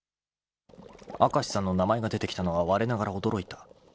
［明石さんの名前が出てきたのはわれながら驚いた］